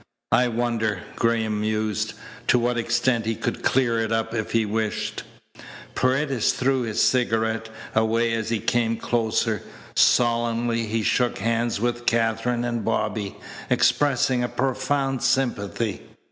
"I wonder," Graham mused, "to what extent he could clear it up if he wished." Paredes threw his cigarette away as he came closer. Solemnly he shook hands with Katherine and Bobby, expressing a profound sympathy.